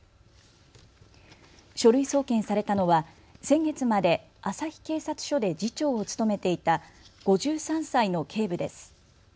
書類送検されたのは先月まで旭警察署で次長を務めていた５３歳の警部です。